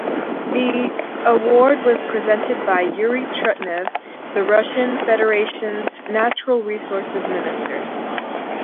The award was presented by Yuri Trutnev, the Russian Federation's Natural Resources Minister.